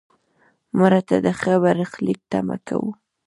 مړه ته د ښه برخلیک تمه کوو